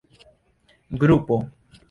grupo